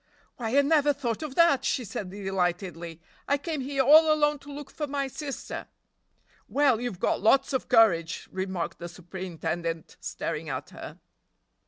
"Why, I never thought of that," she said delightedly, "I came here all alone to look for my sister!" "Well, you've got lots of courage," remarked the superintendent, staring at her.